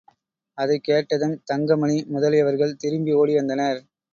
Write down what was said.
அதைக் கேட்டதும் தங்கமணி முதலியவர்கள் திரும்பி ஓடி வந்தனர்.